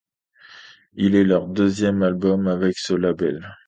Il est leur deuxième album avec ce label.